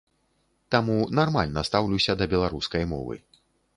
Таму нармальна стаўлюся да беларускай мовы.